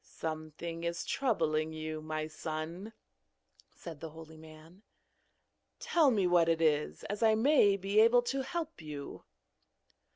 'Something is troubling you, my son,' said the holy man; 'tell me what it is, as I may be able to help you.'